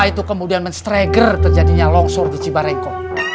gempa itu kemudian mengetahui terjadinya longsor di cibarengko